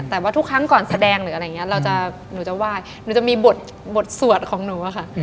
แต่ว่าทุกครั้งก่อนแสดงหรืออะไรอย่างนี้หนูจะไหว้หนูจะมีบทสวดของหนูอะค่ะ